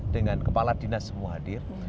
dengan kepala dinas semua hadir